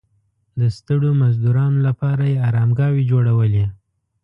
د ستړو مزدورانو لپاره یې ارامګاوې جوړولې.